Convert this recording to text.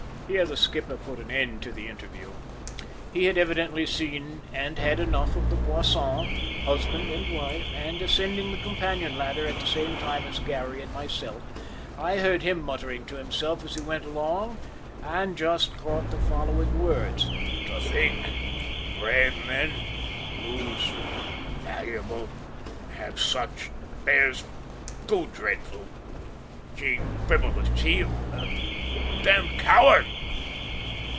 Here the skipper put an end to the interview. He had evidently seen and had enough of the Boissons, husband and wife, and, ascending the companion ladder at the same time as Garry and myself, I heard him muttering to himself as he went along and just caught the following words: "To think brave men lose valuable save such theirs too dreadful. She frivolous he a damned coward!"